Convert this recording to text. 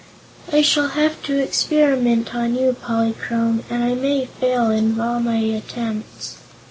"I shall have to experiment on you, Polychrome, and I may fail in all my attempts."